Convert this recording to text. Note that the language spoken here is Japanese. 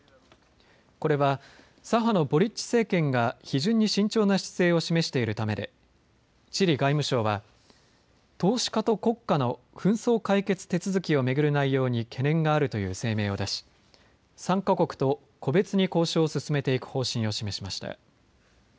これは左派のボリッチ政権が批准に慎重な姿勢を示しているためでチリ外務省は投資家と国家の紛争解決手続きを巡る内容に懸念があるという声明を出し参加国と個別に交渉を進めていく方針を示しました。